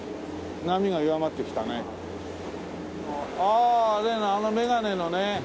ああ例のあの眼鏡のね。